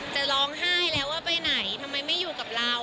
จะร้องไห้แล้วว่าไปไหนทำไมไม่อยู่กับเรา